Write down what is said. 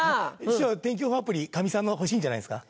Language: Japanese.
師匠天気予報アプリカミさんの欲しいんじゃないですか？